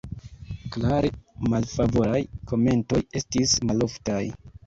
Klare malfavoraj komentoj estis maloftaj.